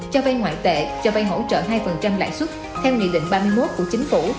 cho vay ngoại tệ cho vay hỗ trợ hai lãi suất theo nghị định ba mươi một của chính phủ